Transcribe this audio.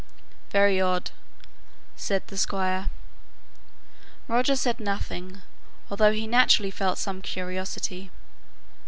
"Very odd," said the Squire. Roger said nothing, although he naturally felt some curiosity.